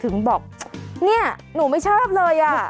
เนี่ยหนูไม่ชอบเลย